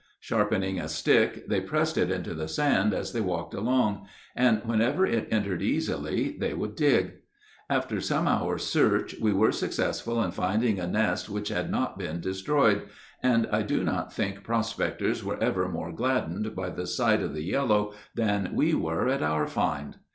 Sharpening a stick, they pressed it into the sand as they walked along, and wherever it entered easily they would dig. After some hours' search we were successful in finding a nest which had not been destroyed, and I do not think prospectors were ever more gladdened by the sight of "the yellow" than we were at our find.